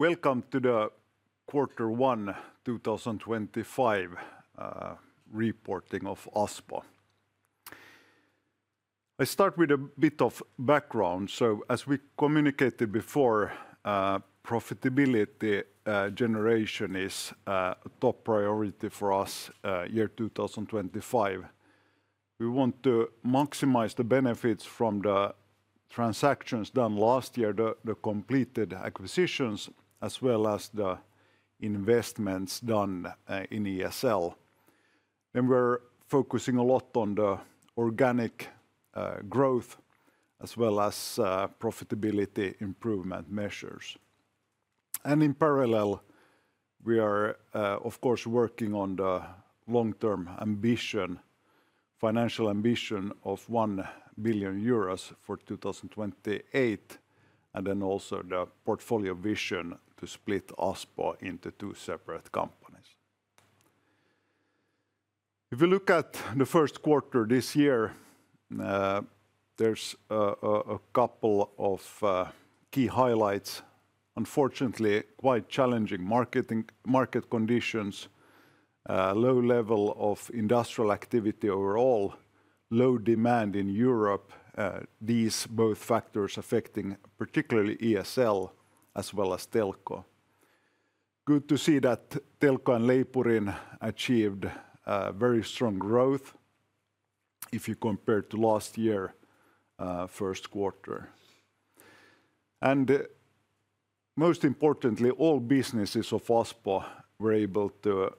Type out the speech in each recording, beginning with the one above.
Welcome to the quarter one 2025 reporting of Aspo. I'll start with a bit of background. As we communicated before, profitability generation is a top priority for us in the year 2025. We want to maximize the benefits from the transactions done last year, the completed acquisitions, as well as the investments done in ESL. We're focusing a lot on the organic growth, as well as profitability improvement measures. In parallel, we are, of course, working on the long-term ambition, financial ambition of 1 billion euros for 2028, and then also the portfolio vision to split Aspo into two separate companies. If we look at the first quarter this year, there's a couple of key highlights. Unfortunately, quite challenging market conditions, low level of industrial activity overall, low demand in Europe, these both factors affecting particularly ESL as well as Telko. Good to see that Telko and Leipurin achieved very strong growth if you compare to last year's first quarter. Most importantly, all businesses of Aspo were able to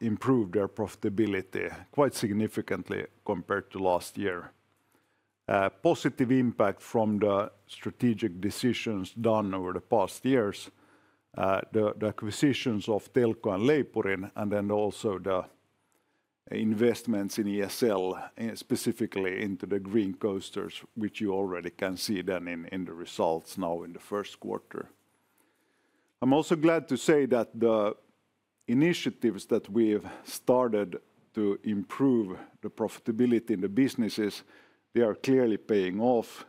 improve their profitability quite significantly compared to last year. Positive impact from the strategic decisions done over the past years, the acquisitions of Telko and Leipurin, and also the investments in ESL, specifically into the Green Coasters, which you already can see in the results now in the first quarter. I'm also glad to say that the initiatives that we've started to improve the profitability in the businesses, they are clearly paying off.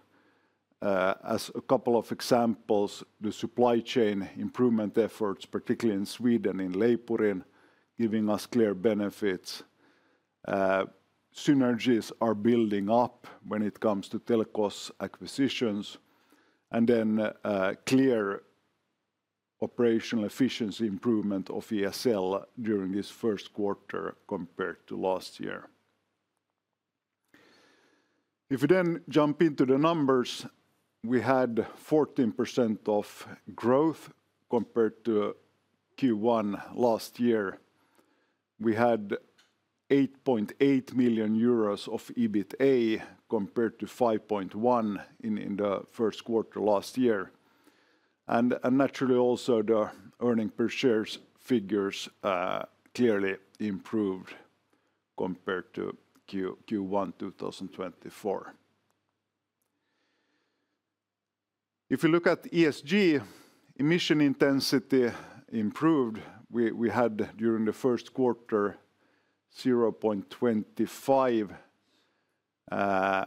As a couple of examples, the supply chain improvement efforts, particularly in Sweden and in Leipurin, are giving us clear benefits. Synergies are building up when it comes to Telko's acquisitions, and then clear operational efficiency improvement of ESL during this first quarter compared to last year. If we then jump into the numbers, we had 14% growth compared to Q1 last year. We had 8.8 million euros of EBITA compared to 5.1 million in the first quarter last year. Naturally, also the earnings per share figures clearly improved compared to Q1 2024. If you look at ESG, emission intensity improved. We had during the first quarter 0.25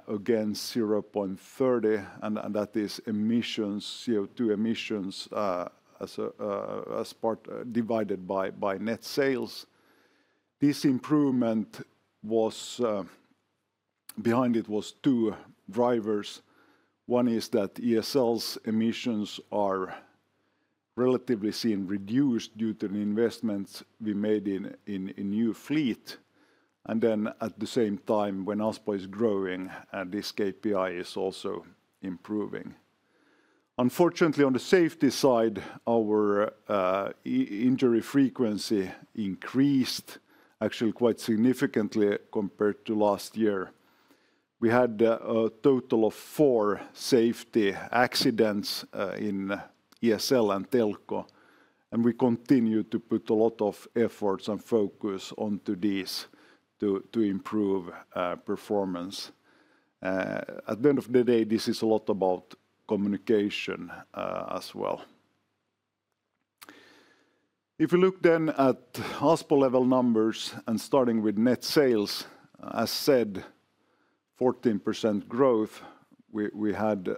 against 0.30, and that is CO2 emissions divided by net sales. This improvement was behind it was two drivers. One is that ESL's emissions are relatively seen reduced due to the investments we made in new fleet. At the same time, when Aspo is growing, this KPI is also improving. Unfortunately, on the safety side, our injury frequency increased actually quite significantly compared to last year. We had a total of four safety accidents in ESL and Telko, and we continue to put a lot of efforts and focus onto these to improve performance. At the end of the day, this is a lot about communication as well. If we look then at Aspo level numbers and starting with net sales, as said, 14% growth, we had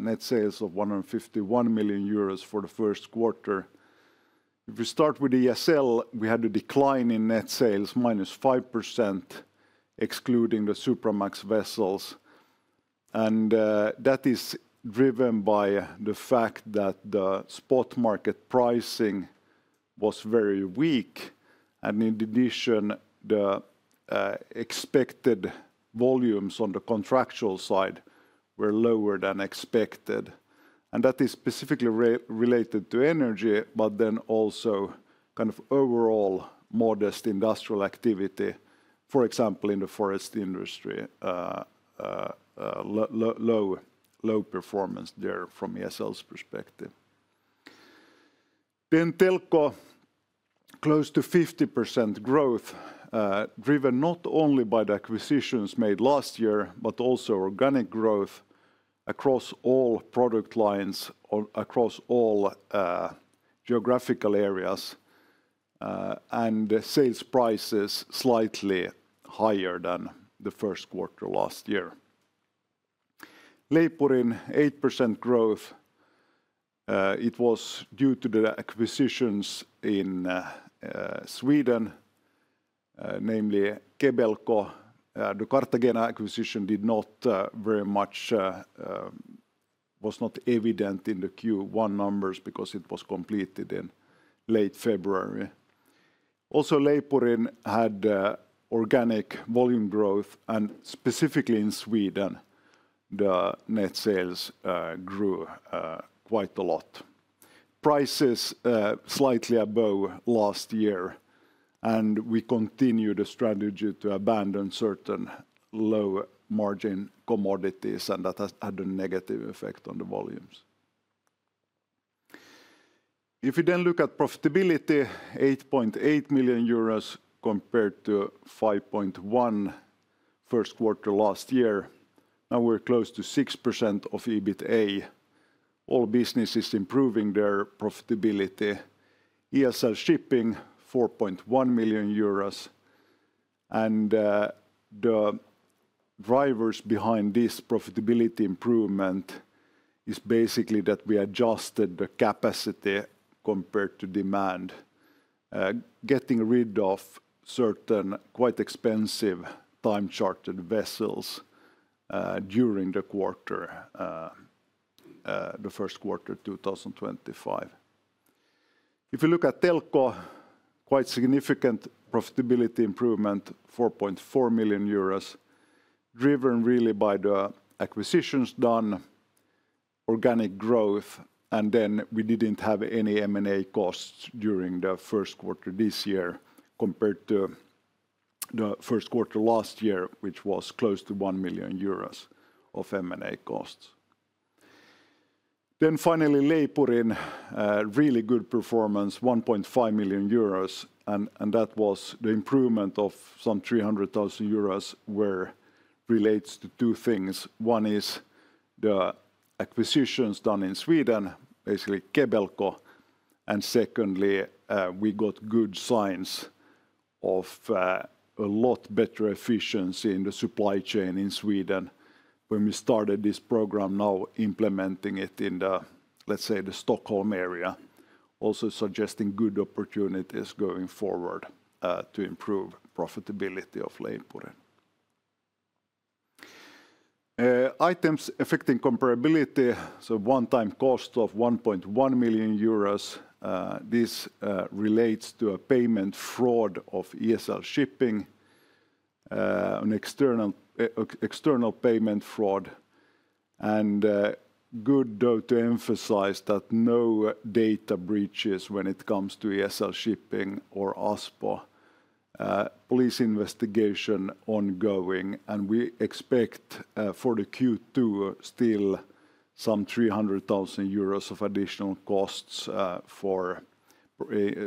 net sales of 151 million euros for the first quarter. If we start with ESL, we had a decline in net sales, -5%, excluding the Supramax vessels. That is driven by the fact that the spot market pricing was very weak. In addition, the expected volumes on the contractual side were lower than expected. That is specifically related to energy, but then also kind of overall modest industrial activity, for example, in the forest industry, low performance there from ESL's perspective. Telko, close to 50% growth, driven not only by the acquisitions made last year, but also organic growth across all product lines, across all geographical areas, and sales prices slightly higher than the first quarter last year. Leipurin, 8% growth, it was due to the acquisitions in Sweden, namely Kebelco. The Kartagena acquisition did not very much was not evident in the Q1 numbers because it was completed in late February. Also, Leipurin had organic volume growth, and specifically in Sweden, the net sales grew quite a lot. Prices slightly above last year, and we continued the strategy to abandon certain low margin commodities, and that had a negative effect on the volumes. If we then look at profitability, 8.8 million euros compared to 5.1 million first quarter last year, now we're close to 6% of EBITA. All businesses improving their profitability. ESL Shipping, 4.1 million euros. The drivers behind this profitability improvement is basically that we adjusted the capacity compared to demand, getting rid of certain quite expensive time-chartered vessels during the quarter, the first quarter 2025. If we look at Telko, quite significant profitability improvement, 4.4 million euros, driven really by the acquisitions done, organic growth, and then we did not have any M&A costs during the first quarter this year compared to the first quarter last year, which was close to 1 million euros of M&A costs. Finally, Leipurin, really good performance, 1.5 million euros, and that was the improvement of some 300,000 euros, which relates to two things. One is the acquisitions done in Sweden, basically Kebelco, and secondly, we got good signs of a lot better efficiency in the supply chain in Sweden when we started this program, now implementing it in the, let's say, the Stockholm area, also suggesting good opportunities going forward to improve profitability of Leipurin. Items affecting comparability, so one-time cost of 1.1 million euros. This relates to a payment fraud of ESL Shipping, an external payment fraud. Good, though, to emphasize that no data breaches when it comes to ESL Shipping or Aspo. Police investigation ongoing, and we expect for the Q2 still some 300,000 euros of additional costs,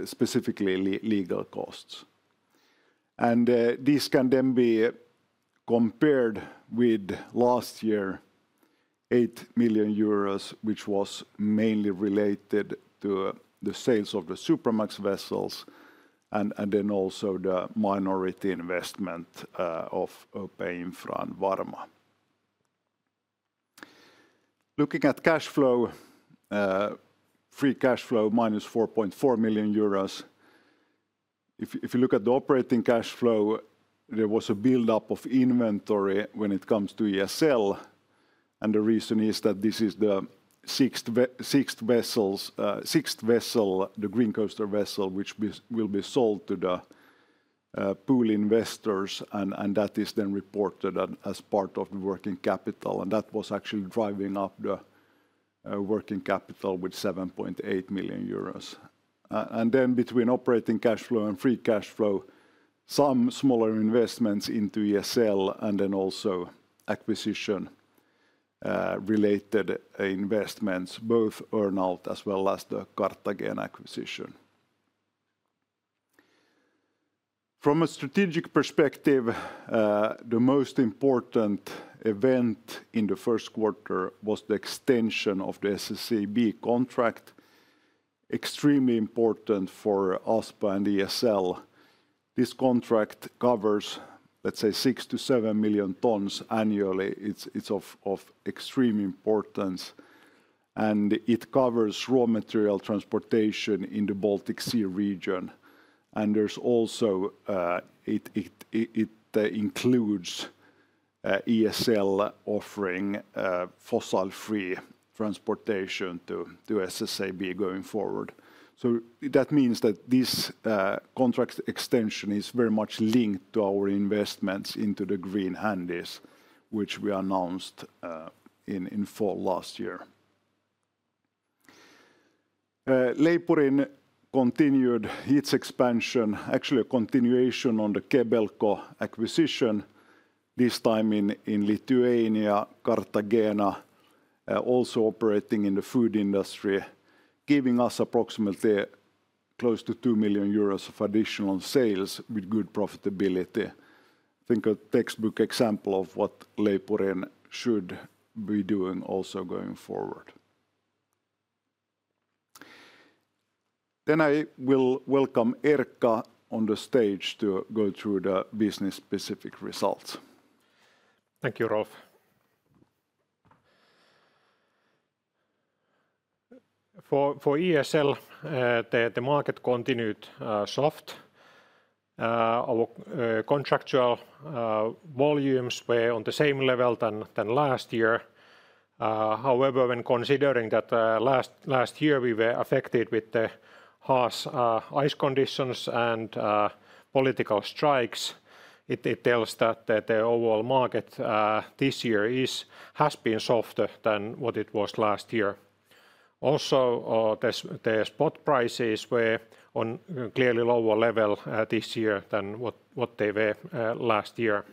specifically legal costs. This can then be compared with last year, 8 million euros, which was mainly related to the sales of the Supramax vessels and then also the minority investment of PayInfra and Varma. Looking at cash flow, free cash flow, -4.4 million euros. If you look at the operating cash flow, there was a build-up of inventory when it comes to ESL, and the reason is that this is the sixth vessel, the Green Coaster vessel, which will be sold to the pool investors, and that is then reported as part of the working capital. That was actually driving up the working capital with 7.8 million euros. Between operating cash flow and free cash flow, some smaller investments into ESL and then also acquisition-related investments, both earn-out as well as the Kartagena acquisition. From a strategic perspective, the most important event in the first quarter was the extension of the SSAB contract, extremely important for Aspo and ESL. This contract covers, let's say, 6 million-7 million tons annually. is of extreme importance, and it covers raw material transportation in the Baltic Sea region. There is also ESL offering fossil-free transportation to SSAB going forward. That means that this contract extension is very much linked to our investments into the Green Handies, which we announced in fall last year. Leipurin continued its expansion, actually a continuation on the Kebelko acquisition, this time in Lithuania, Kartagena, also operating in the food industry, giving us approximately close to 2 million euros of additional sales with good profitability. I think a textbook example of what Leipurin should be doing also going forward. I will welcome Erkka on the stage to go through the business-specific results. Thank you, Rolf. For ESL, the market continued soft. Our contractual volumes were on the same level than last year. However, when considering that last year we were affected with the harsh ice conditions and political strikes, it tells that the overall market this year has been softer than what it was last year. Also, the spot prices were on a clearly lower level this year than what they were last year.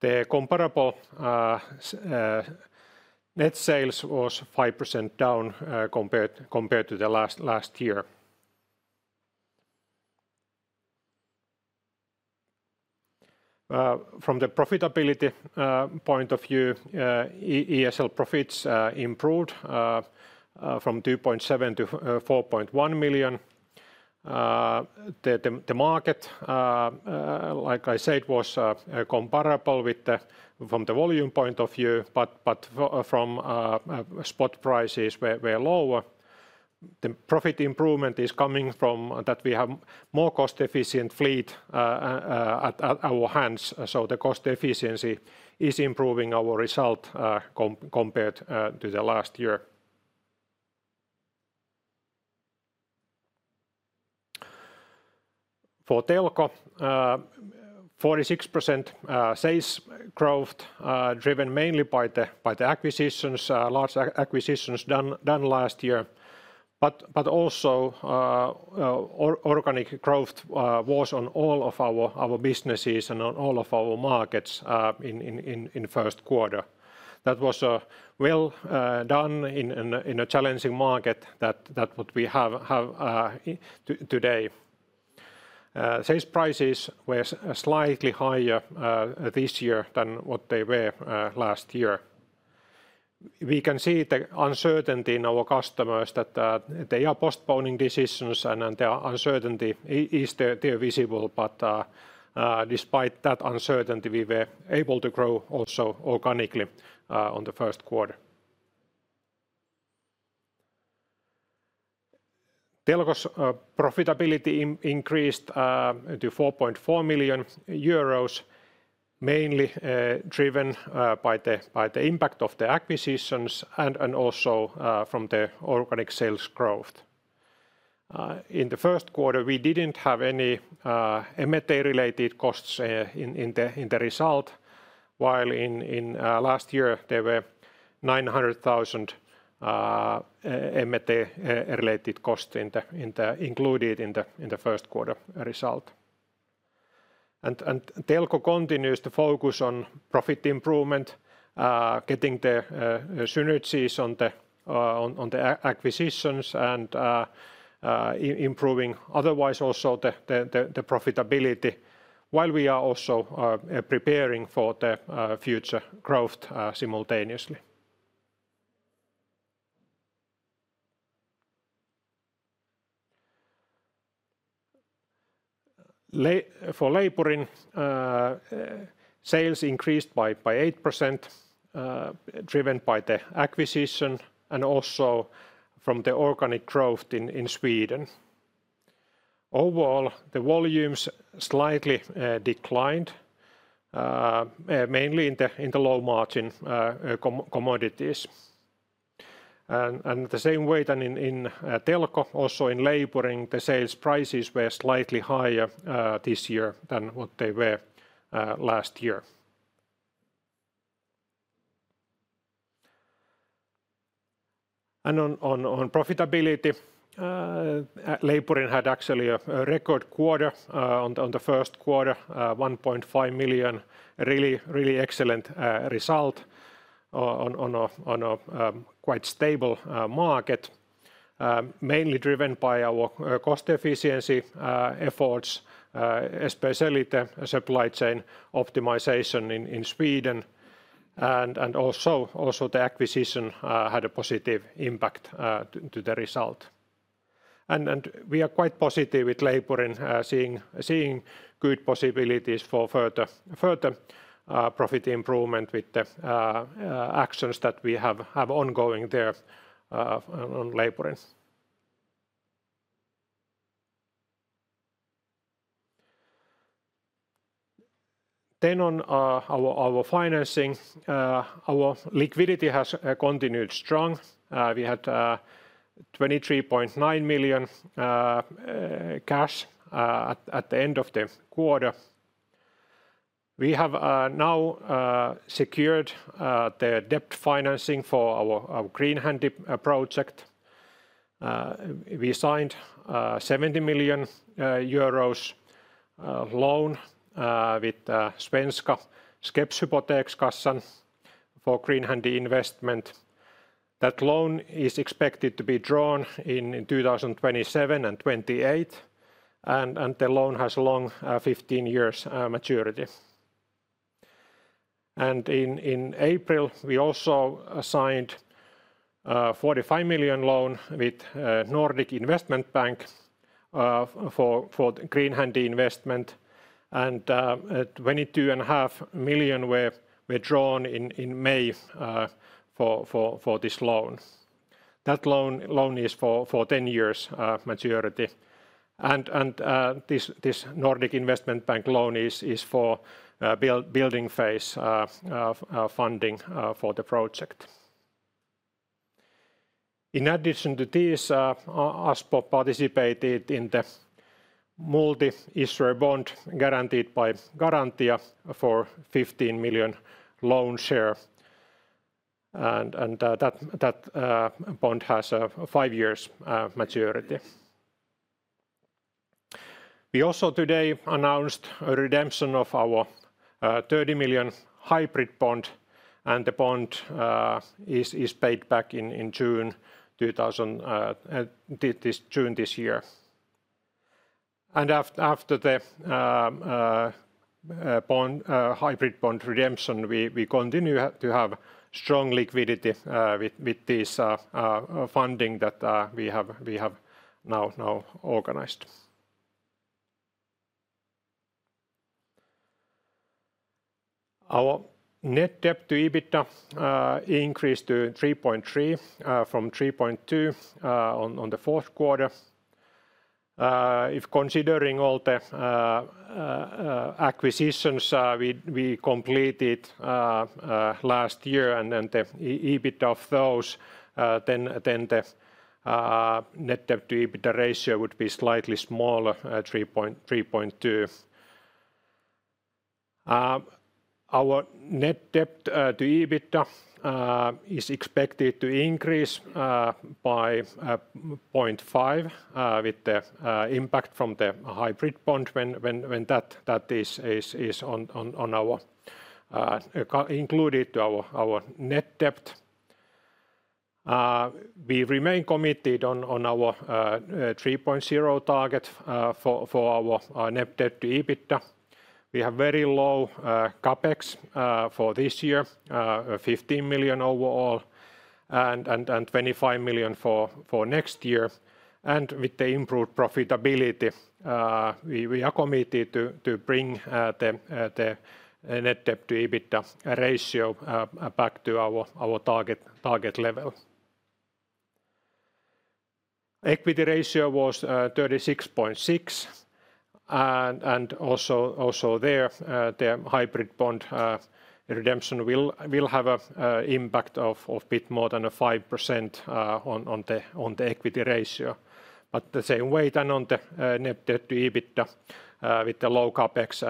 The comparable net sales was 5% down compared to the last year. From the profitability point of view, ESL profits improved from 2.7 million to 4.1 million. The market, like I said, was comparable from the volume point of view, but from spot prices were lower. The profit improvement is coming from that we have more cost-efficient fleet at our hands, so the cost efficiency is improving our result compared to the last year. For Telko, 46% sales growth driven mainly by the acquisitions, large acquisitions done last year, but also organic growth was on all of our businesses and on all of our markets in first quarter. That was well done in a challenging market that what we have today. Sales prices were slightly higher this year than what they were last year. We can see the uncertainty in our customers that they are postponing decisions and the uncertainty is still visible, but despite that uncertainty, we were able to grow also organically on the first quarter. Telko's profitability increased to 4.4 million euros, mainly driven by the impact of the acquisitions and also from the organic sales growth. In the first quarter, we did not have any M&A-related costs in the result, while in last year there were 900,000 M&A-related costs included in the first quarter result. Telko continues to focus on profit improvement, getting the synergies on the acquisitions and improving otherwise also the profitability, while we are also preparing for the future growth simultaneously. For Leipurin, sales increased by 8%, driven by the acquisition and also from the organic growth in Sweden. Overall, the volumes slightly declined, mainly in the low-margin commodities. In the same way as in Telko, also in Leipurin, the sales prices were slightly higher this year than what they were last year. On profitability, Leipurin had actually a record quarter in the first quarter, 1.5 million, really excellent result on a quite stable market, mainly driven by our cost-efficiency efforts, especially the supply chain optimization in Sweden. The acquisition also had a positive impact on the result. We are quite positive with Leipurin seeing good possibilities for further profit improvement with the actions that we have ongoing there on Leipurin. On our financing, our liquidity has continued strong. We had 23.9 million cash at the end of the quarter. We have now secured the debt financing for our Green Handy project. We signed a 70 million euros loan with Svenska Skeppshypotékskassan for Green Handy investment. That loan is expected to be drawn in 2027 and 2028, and the loan has a long 15-year maturity. In April, we also signed a 45 million loan with Nordic Investment Bank for Green Handy investment, and 22.5 million were drawn in May for this loan. That loan is for 10-year maturity. This Nordic Investment Bank loan is for building phase funding for the project. In addition to this, Aspo participated in the multi-issuer bond guaranteed by Garantia for 15 million loan share. That bond has a five-year maturity. We also today announced a redemption of our 30 million hybrid bond, and the bond is paid back in June this year. After the hybrid bond redemption, we continue to have strong liquidity with this funding that we have now organized. Our net debt to EBITDA increased to 3.3 from 3.2 in the fourth quarter. If considering all the acquisitions we completed last year and then the EBITDA of those, then the net debt to EBITDA ratio would be slightly smaller, 3.2. Our net debt to EBITDA is expected to increase by 0.5 with the impact from the hybrid bond when that is included in our net debt. We remain committed on our 3.0 target for our net debt to EBITDA. We have very low CapEx for this year, 15 million overall and 25 million for next year. With the improved profitability, we are committed to bring the net debt to EBITDA ratio back to our target level. Equity ratio was 36.6%. Also there, the hybrid bond redemption will have an impact of a bit more than 5% on the equity ratio. The same way as on the net debt to EBITDA, with the low CapEx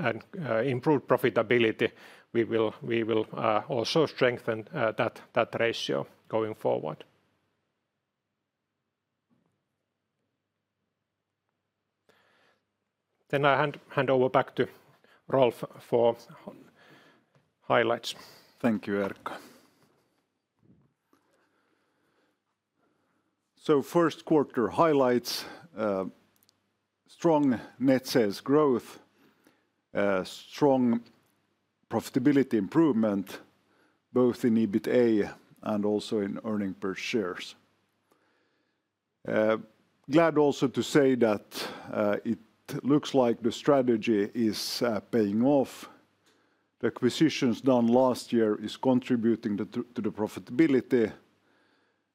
and improved profitability, we will also strengthen that ratio going forward. I hand over back to Rolf for highlights. Thank you, Erkka. First quarter highlights: strong net sales growth, strong profitability improvement, both in EBITDA and also in earnings per share. Glad also to say that it looks like the strategy is paying off. The acquisitions done last year are contributing to the profitability.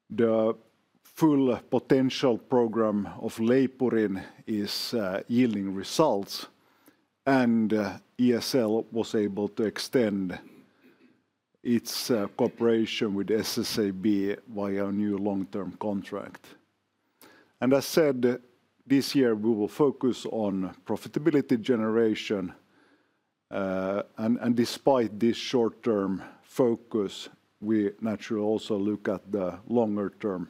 The full potential program of Leipurin is yielding results, and ESL was able to extend its cooperation with SSAB via a new long-term contract. This year we will focus on profitability generation. Despite this short-term focus, we naturally also look at the longer-term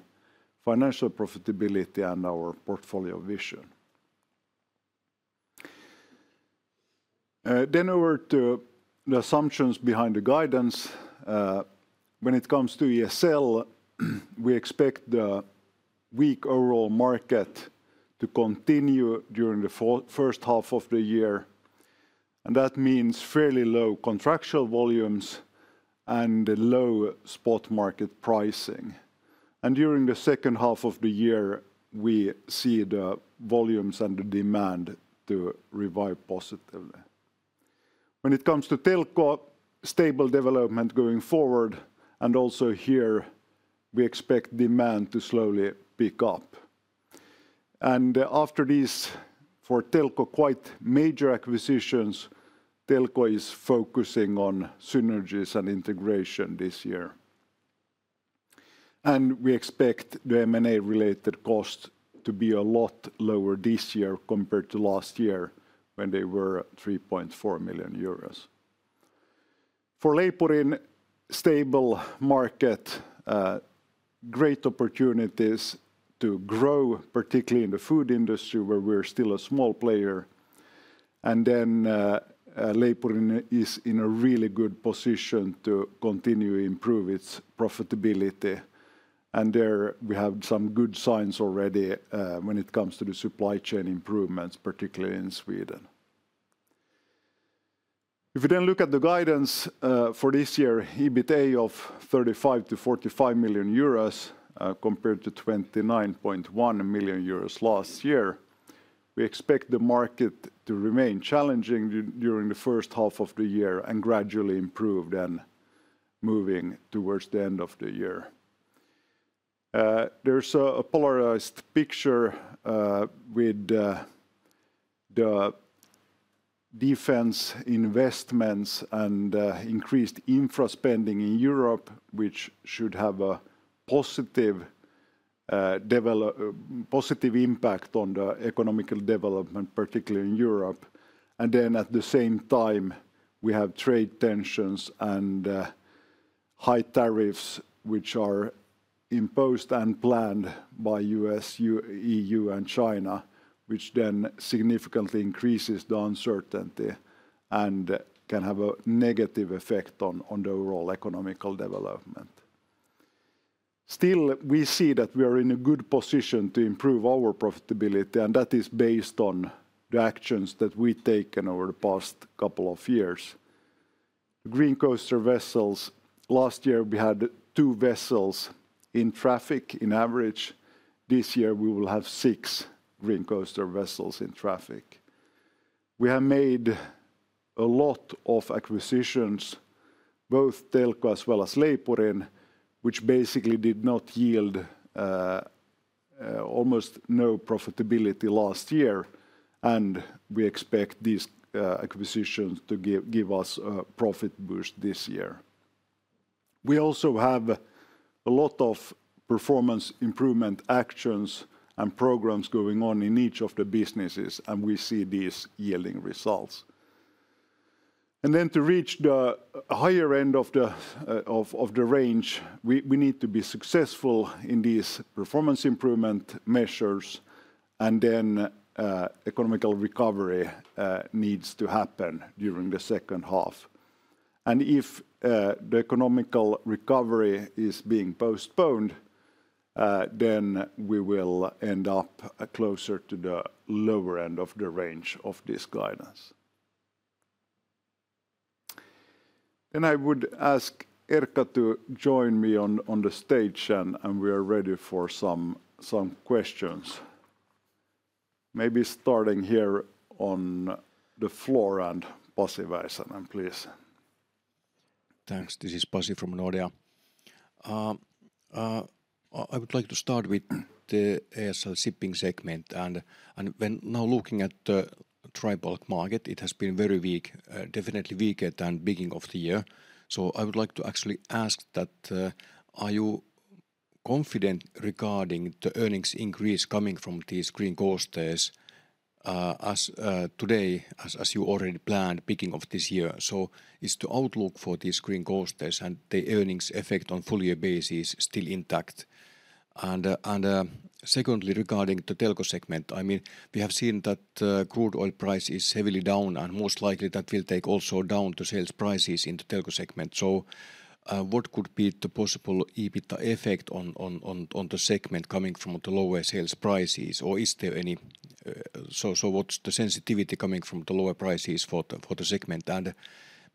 financial profitability and our portfolio vision. Over to the assumptions behind the guidance. When it comes to ESL, we expect the weak overall market to continue during the first half of the year. That means fairly low contractual volumes and low spot market pricing. During the second half of the year, we see the volumes and the demand to revive positively. When it comes to Telko, stable development going forward, and also here we expect demand to slowly pick up. After these for Telko quite major acquisitions, Telko is focusing on synergies and integration this year. We expect the M&A-related costs to be a lot lower this year compared to last year when they were 3.4 million euros. For Leipurin, stable market, great opportunities to grow, particularly in the food industry where we are still a small player. Leipurin is in a really good position to continue to improve its profitability. There we have some good signs already when it comes to the supply chain improvements, particularly in Sweden. If we then look at the guidance for this year, EBITDA of 35 million-45 million euros compared to 29.1 million euros last year, we expect the market to remain challenging during the first half of the year and gradually improve then moving towards the end of the year. There is a polarized picture with the defense investments and increased infra spending in Europe, which should have a positive impact on the economical development, particularly in Europe. At the same time, we have trade tensions and high tariffs which are imposed and planned by the U.S., EU, and China, which significantly increases the uncertainty and can have a negative effect on the overall economic development. Still, we see that we are in a good position to improve our profitability, and that is based on the actions that we've taken over the past couple of years. Green Coaster vessels, last year we had two vessels in traffic on average. This year we will have six Green Coaster vessels in traffic. We have made a lot of acquisitions, both Telko as well as Leipurin, which basically did not yield almost any profitability last year. We expect these acquisitions to give us a profit boost this year. We also have a lot of performance improvement actions and programs going on in each of the businesses, and we see these yielding results. To reach the higher end of the range, we need to be successful in these performance improvement measures, and economical recovery needs to happen during the second half. If the economical recovery is being postponed, we will end up closer to the lower end of the range of this guidance. I would ask Erkka to join me on the stage, and we are ready for some questions. Maybe starting here on the floor and Pasi Väisänen, please. Thanks. This is Pasi from Nordea. I would like to start with the ESL Shipping segment. When now looking at the tripartite market, it has been very weak, definitely weaker than the beginning of the year. I would like to actually ask that, are you confident regarding the earnings increase coming from these Green Coasters today, as you already planned at the beginning of this year? Is the outlook for these Green Coasters and the earnings effect on a full-year basis still intact? Secondly, regarding the Telko segment, I mean, we have seen that crude oil price is heavily down, and most likely that will take also down the sales prices in the Telko segment. What could be the possible EBITDA effect on the segment coming from the lower sales prices, or is there any? What's the sensitivity coming from the lower prices for the segment?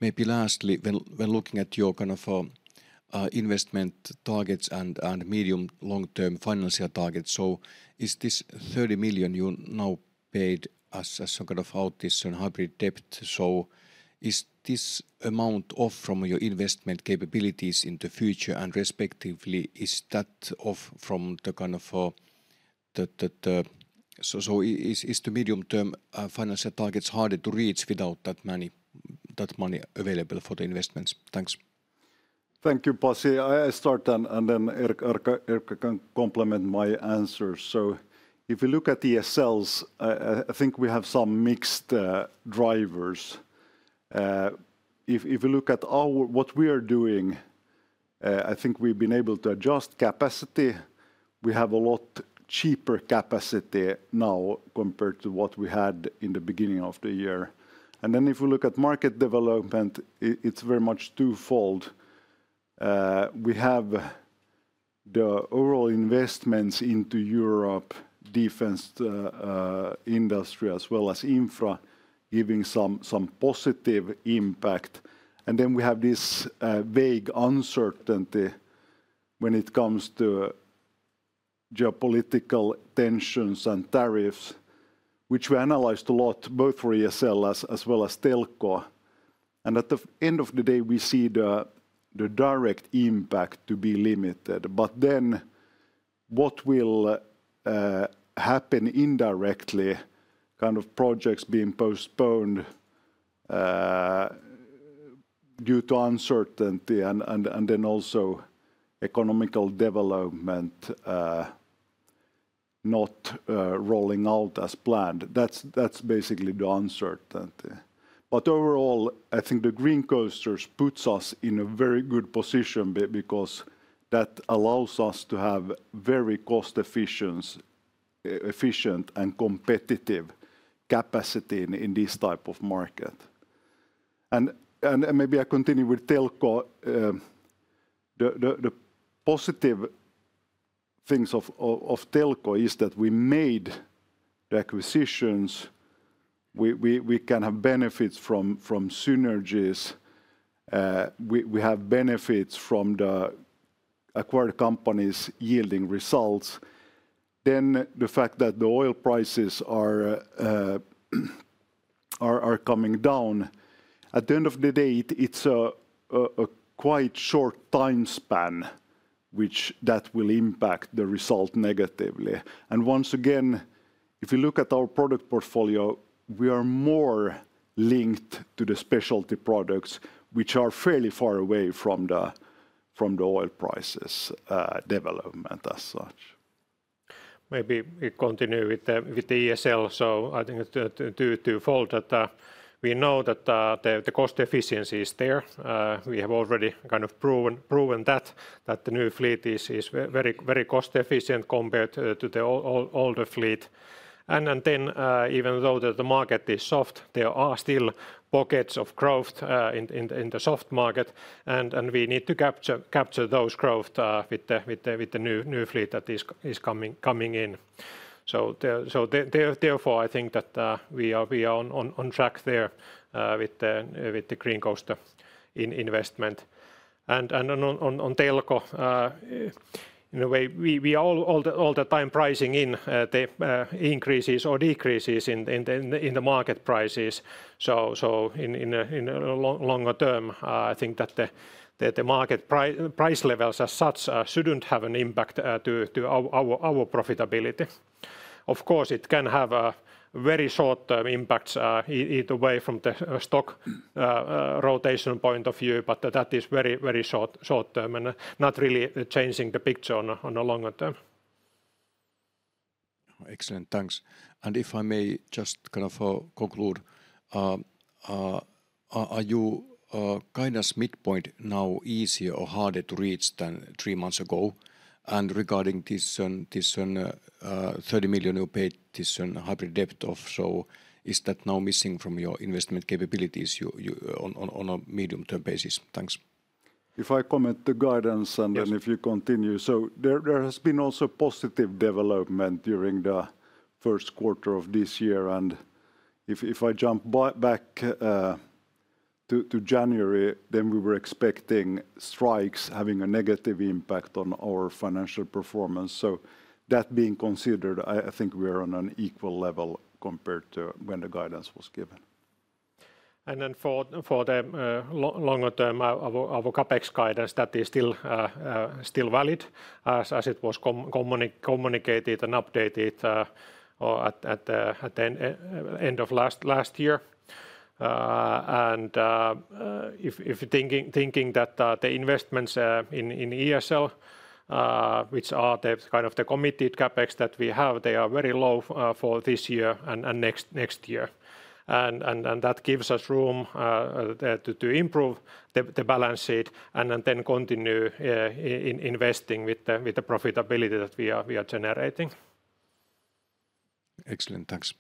Maybe lastly, when looking at your kind of investment targets and medium-long-term financial targets, is this 30 million you now paid as some kind of out this hybrid debt? Is this amount off from your investment capabilities in the future? And respectively, is that off from the kind of the, so is the medium-term financial targets harder to reach without that money available for the investments? Thanks. Thank you, Pasi. I start, and then Erkka can complement my answers. If we look at ESLs, I think we have some mixed drivers. If we look at what we are doing, I think we've been able to adjust capacity. We have a lot cheaper capacity now compared to what we had in the beginning of the year. If we look at market development, it's very much twofold. We have the overall investments into Europe, defense industry as well as infra giving some positive impact. We have this vague uncertainty when it comes to geopolitical tensions and tariffs, which we analyzed a lot, both for ESL as well as Telko. At the end of the day, we see the direct impact to be limited. What will happen indirectly is kind of projects being postponed due to uncertainty and also economic development not rolling out as planned. That is basically the uncertainty. Overall, I think the Green Coasters put us in a very good position because that allows us to have very cost-efficient and competitive capacity in this type of market. Maybe I continue with Telko. The positive things of Telko are that we made the acquisitions. We can have benefits from synergies. We have benefits from the acquired companies yielding results. The fact that the oil prices are coming down, at the end of the day, it's a quite short time span which that will impact the result negatively. Once again, if you look at our product portfolio, we are more linked to the specialty products, which are fairly far away from the oil prices development as such. Maybe we continue with the ESL. I think twofold that we know that the cost efficiency is there. We have already kind of proven that the new fleet is very cost efficient compared to the older fleet. Even though the market is soft, there are still pockets of growth in the soft market. We need to capture those growth with the new fleet that is coming in. Therefore, I think that we are on track there with the Green Coaster investment. On Telko, in a way, we are all the time pricing in the increases or decreases in the market prices. In the longer term, I think that the market price levels as such should not have an impact to our profitability. Of course, it can have very short-term impacts either way from the stock rotation point of view, but that is very short-term and not really changing the picture in the longer term. Excellent. Thanks. If I may just kind of conclude, are you kind of midpoint now easier or harder to reach than three months ago? Regarding this 30 million you paid this hybrid debt off, is that now missing from your investment capabilities on a medium-term basis? Thanks. If I comment the guidance and then if you continue. There has been also positive development during the first quarter of this year. If I jump back to January, we were expecting strikes having a negative impact on our financial performance. That being considered, I think we are on an equal level compared to when the guidance was given. For the longer term, our CapEx guidance is still valid as it was communicated and updated at the end of last year. If thinking that the investments in ESL, which are the kind of the committed CapEx that we have, they are very low for this year and next year. That gives us room to improve the balance sheet and then continue investing with the profitability that we are generating. Excellent. Thanks.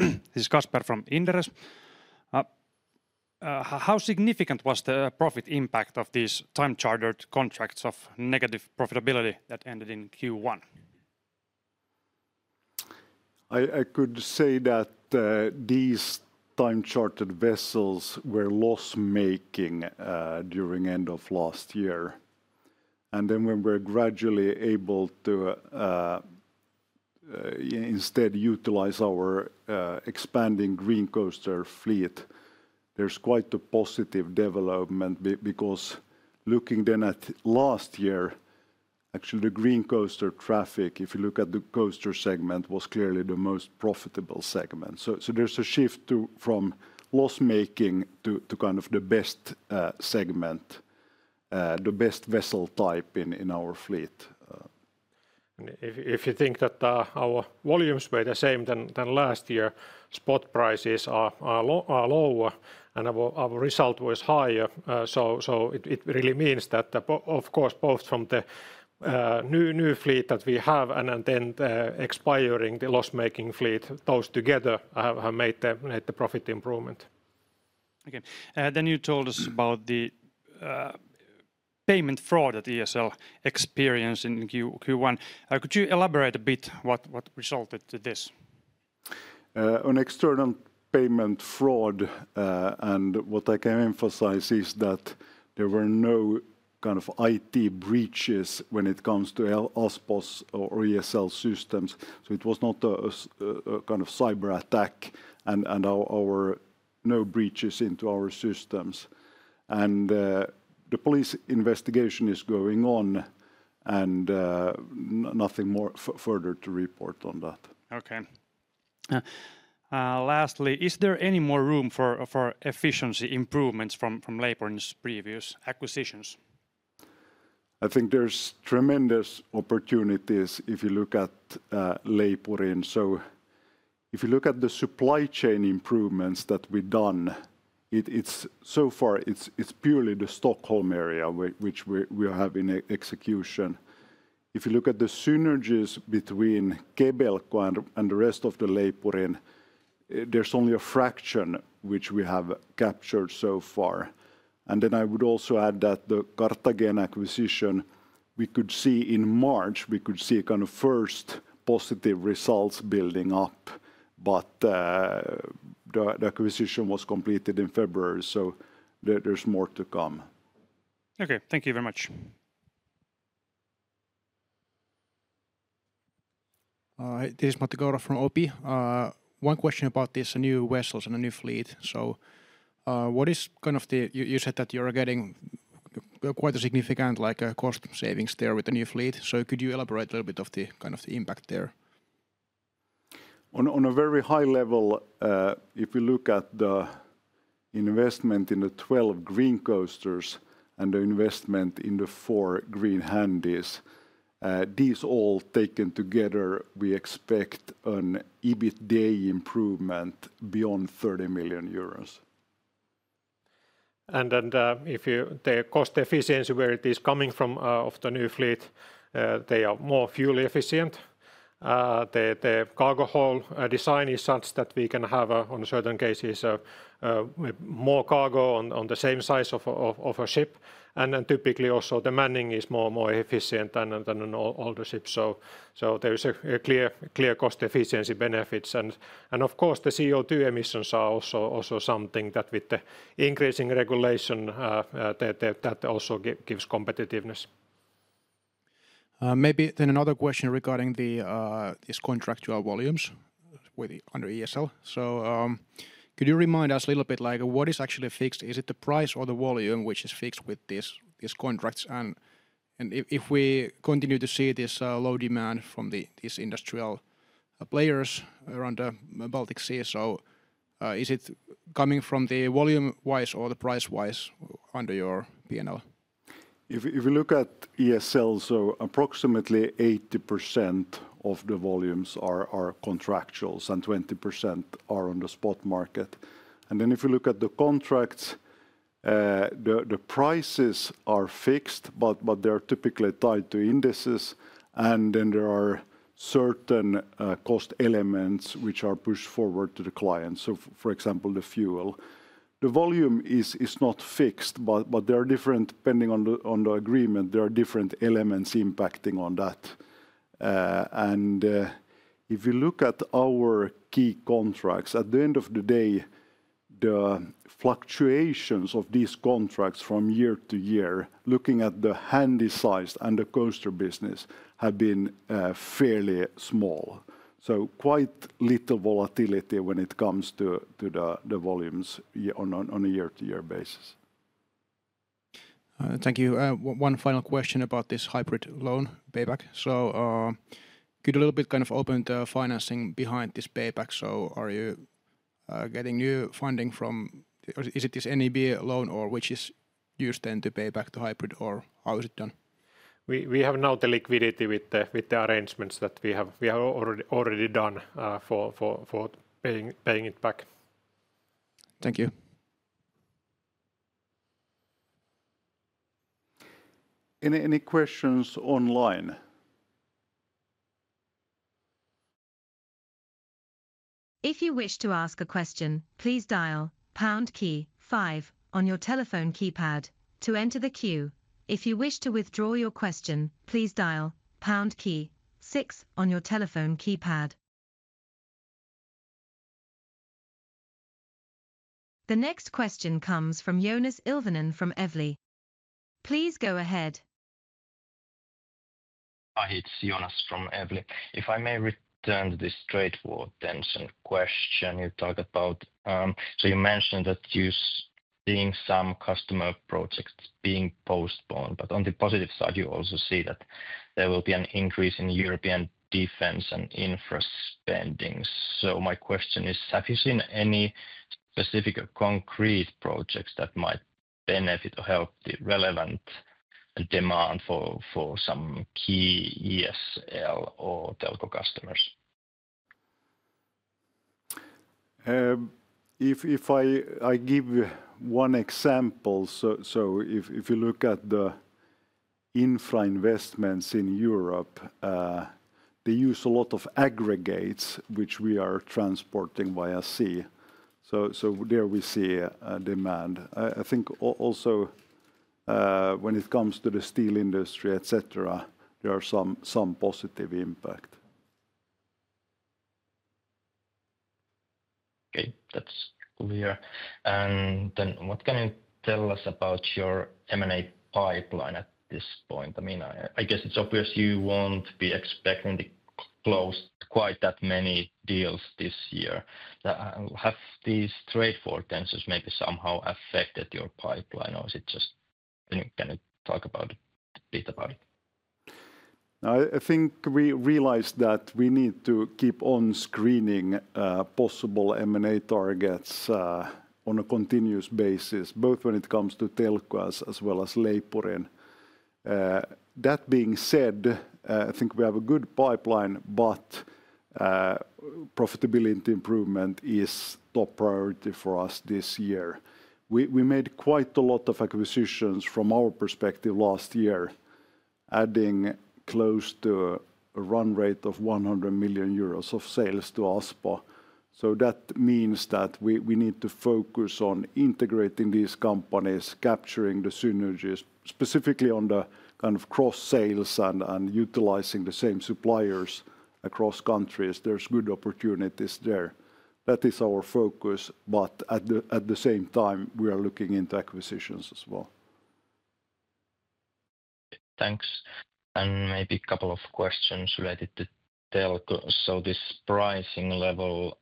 This is Kasper from Inderes. How significant was the profit impact of these time-chartered contracts of negative profitability that ended in Q1? I could say that these time-chartered vessels were loss-making during the end of last year. When we're gradually able to instead utilize our expanding Green Coaster fleet, there's quite a positive development because looking at last year, actually the Green Coaster traffic, if you look at the coaster segment, was clearly the most profitable segment. There's a shift from loss-making to kind of the best segment, the best vessel type in our fleet. If you think that our volumes were the same as last year, spot prices are lower and our result was higher. It really means that, of course, both from the new fleet that we have and then expiring the loss-making fleet, those together have made the profit improvement. Okay. You told us about the payment fraud that ESL experienced in Q1. Could you elaborate a bit what resulted in this? An external payment fraud. What I can emphasize is that there were no kind of IT breaches when it comes to Aspo's or ESL systems. It was not a kind of cyber attack and no breaches into our systems. The police investigation is going on and nothing more further to report on that. Okay. Lastly, is there any more room for efficiency improvements from Leipurin's previous acquisitions? I think there's tremendous opportunities if you look at Leipurin. If you look at the supply chain improvements that we've done, so far it's purely the Stockholm area, which we have in execution. If you look at the synergies between Kebelco and the rest of Leipurin, there's only a fraction which we have captured so far. I would also add that the Kartagena acquisition, we could see in March, we could see kind of first positive results building up. The acquisition was completed in February, so there is more to come. Okay. Thank you very much. This is Matti Kauro from OP. One question about these new vessels and a new fleet. What is kind of the, you said that you are getting quite a significant cost savings there with the new fleet. Could you elaborate a little bit on the kind of the impact there? On a very high level, if you look at the investment in the 12 Green Coasters and the investment in the four Green Handies, these all taken together, we expect an EBITDA improvement beyond EUR 30 million. If the cost efficiency, where it is coming from of the new fleet, they are more fuel efficient. The cargo hull design is such that we can have in certain cases more cargo on the same size of a ship. Typically, also the manning is more efficient than all the ships. There is a clear cost efficiency benefit. Of course, the CO2 emissions are also something that with the increasing regulation also gives competitiveness. Maybe another question regarding these contractual volumes under ESL. Could you remind us a little bit, like what is actually fixed? Is it the price or the volume which is fixed with these contracts? If we continue to see this low demand from these industrial players around the Baltic Sea, is it coming from the volume-wise or the price-wise under your P&L? If you look at ESL, approximately 80% of the volumes are contractual and 20% are on the spot market. If you look at the contracts, the prices are fixed, but they are typically tied to indices. There are certain cost elements which are pushed forward to the client. For example, the fuel. The volume is not fixed, but depending on the agreement, there are different elements impacting that. If you look at our key contracts, at the end of the day, the fluctuations of these contracts from year to year, looking at the handy size and the coaster business, have been fairly small. Quite little volatility when it comes to the volumes on a year-to-year basis. Thank you. One final question about this hybrid loan payback. Could you a little bit kind of open the financing behind this payback? Are you getting new funding from, is it this NIB loan, or which is used then to pay back the hybrid, or how is it done? We have now the liquidity with the arrangements that we have already done for paying it back. Thank you. Any questions online? If you wish to ask a question, please dial pound key five on your telephone keypad to enter the queue. If you wish to withdraw your question, please dial pound key six on your telephone keypad. The next question comes from Joonas Ilvonen from Evli. Please go ahead. Hi, it's Joonas from Evli. If I may return to this straightforward tension question you talked about. You mentioned that you're seeing some customer projects being postponed. On the positive side, you also see that there will be an increase in European defense and infrastructure spending. My question is, have you seen any specific concrete projects that might benefit or help the relevant demand for some key ESL or Telko customers? If I give one example, if you look at the infra investments in Europe, they use a lot of aggregates, which we are transporting via sea. There we see a demand. I think also when it comes to the steel industry, etc., there are some positive impacts. Okay, that's clear. What can you tell us about your M&A pipeline at this point? I mean, I guess it's obvious you will not be expecting to close quite that many deals this year. Have these straightforward tensors maybe somehow affected your pipeline or can you talk about it a bit? I think we realized that we need to keep on screening possible M&A targets on a continuous basis, both when it comes to Telko as well as Leipurin. That being said, I think we have a good pipeline, but profitability improvement is top priority for us this year. We made quite a lot of acquisitions from our perspective last year, adding close to a run rate of 100 million euros of sales to Aspo. That means that we need to focus on integrating these companies, capturing the synergies, specifically on the kind of cross-sales and utilizing the same suppliers across countries. There are good opportunities there. That is our focus. At the same time, we are looking into acquisitions as well. Thanks. Maybe a couple of questions related to Telko. This pricing level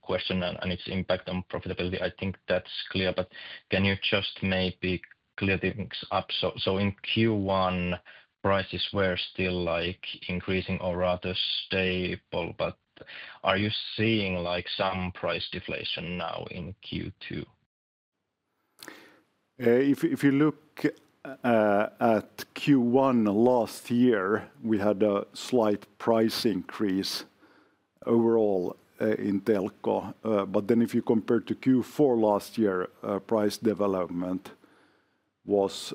question and its impact on profitability, I think that is clear. Can you just maybe clear things up? In Q1, prices were still increasing or rather stable, but are you seeing some price deflation now in Q2? If you look at Q1 last year, we had a slight price increase overall in Telko. If you compare to Q4 last year, price development was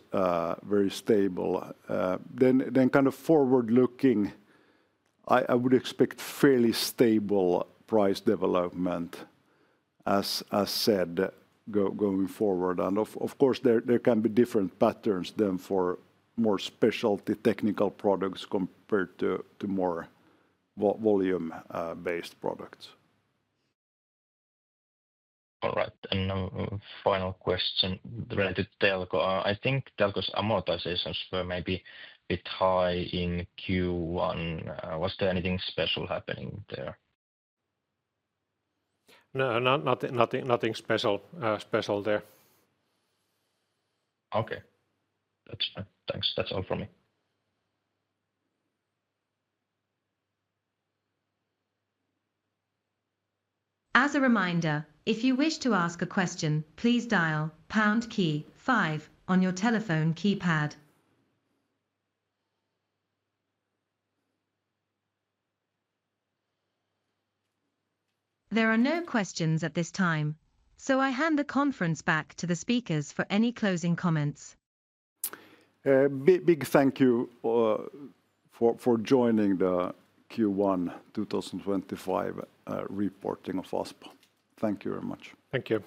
very stable. Forward looking, I would expect fairly stable price development, as said, going forward. Of course, there can be different patterns for more specialty technical products compared to more volume-based products. All right. Final question related to Telko. I think Telko's amortizations were maybe a bit high in Q1. Was there anything special happening there? No, nothing special there. Okay. That's fine. Thanks. That's all from me. As a reminder, if you wish to ask a question, please dial pound key five on your telephone keypad. There are no questions at this time, so I hand the conference back to the speakers for any closing comments. Big thank you for joining the Q1 2025 reporting of Aspo. Thank you very much. Thank you.